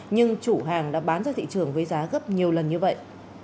nhưng chủ hàng đã bán ra thị trường với giá gấp nhiều lần như vậy